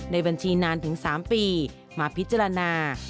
ในบัญชีนานถึง๓ปีมาพิจารณา